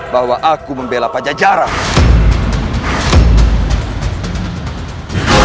bahwa aku membela pajak jarak